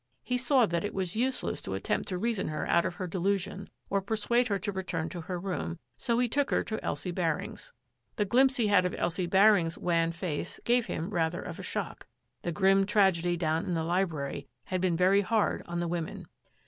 He saw that it was useless to attempt to reason her out of her delusion or persuade her to return to her room, so he took her to Elsie Baring's. The glimpse he had of Elsie Baring's wan face gave him rather of a shock. The grim tragedy down in the library had been very hard on the women.